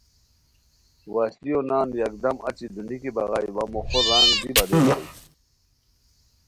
وشلیو نان یکدم اچی دونیکی بغائے وا موخو رنگ دی بدل ہوئے